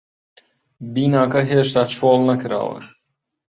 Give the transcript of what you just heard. بیناکە هێشتا چۆڵ نەکراوە.